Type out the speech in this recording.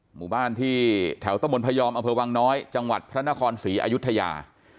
หมู่บ้านที่แถวตะบนพยอมอำเภอวังน้อยจังหวัดพระนครศรีอายุทยา